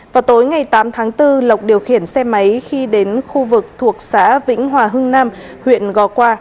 vào tối ngày tám tháng bốn lộc điều khiển xe máy khi đến khu vực thuộc xã vĩnh hòa hưng nam huyện gò qua